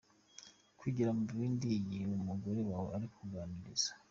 Kwigira mu bindi igihe umugore wawe ari kukuvugisha.